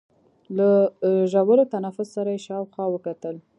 له ژور تنفس سره يې شاوخوا وکتل.